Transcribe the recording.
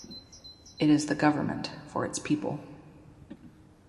It is the government for its people.